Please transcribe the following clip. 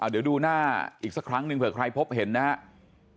เดี๋ยวดูหน้าอีกสักครั้งหนึ่งเผื่อใครพบเห็นนะครับ